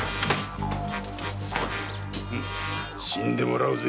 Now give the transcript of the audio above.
死んでもらうぜ！